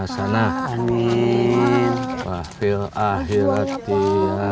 dan bapak pembawa